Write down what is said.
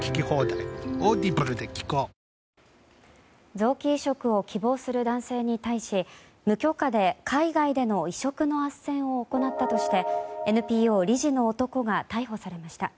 臓器移植を希望する男性に対し無許可で海外での移植のあっせんを行ったとしてＮＰＯ理事の男が逮捕されました。